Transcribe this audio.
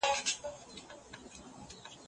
که ماشوم خپله ژبه زده کړي نو بریالی کېږي.